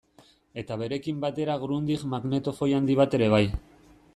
Eta berekin batera Grundig magnetofoi handi bat ere bai.